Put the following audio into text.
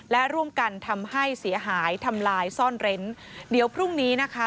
และร่วมกันทำให้เสียหายทำลายซ่อนเร้นเดี๋ยวพรุ่งนี้นะคะ